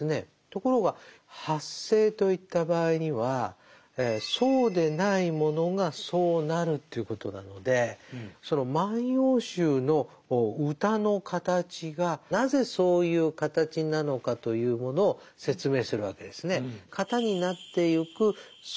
ところが「発生」といった場合にはそうでないものがそうなるということなのでその「万葉集」の歌の形がなぜそういう形なのかというものを説明するわけですね。